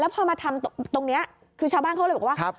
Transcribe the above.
พอมาทำตรงนี้คือชาวบ้านเขาเลยบอกว่า